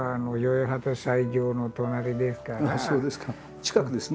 近くですね。